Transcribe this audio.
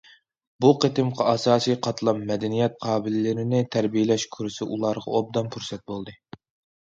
بۇ قېتىمقى ئاساسىي قاتلام مەدەنىيەت قابىللىرىنى تەربىيەلەش كۇرسى ئۇلارغا ئوبدان پۇرسەت بولدى.